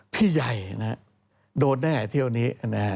พี่ใหญ่โดนแน่เที่ยวนี้